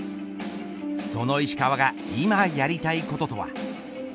その石川が今やりたいこととは。